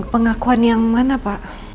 pengakuan yang mana pak